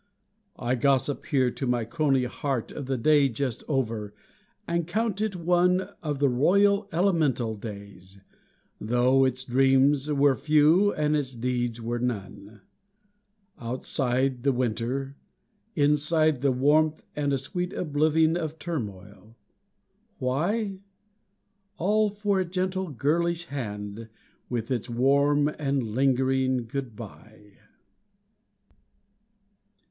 I gossip here to my crony heart Of the day just over, and count it one Of the royal elemental days, Though its dreams were few and its deeds were none. Outside, the winter; inside, the warmth And a sweet oblivion of turmoil. Why? All for a gentle girlish hand With its warm and lingering good bye.